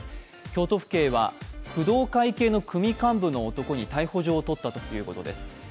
京都府警は工藤会系の組幹部の男に逮捕状を取ったということです。